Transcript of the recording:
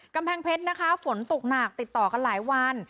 กำแพงเพชรนะคะฝนตกหนักติดต่อกันหลายวัน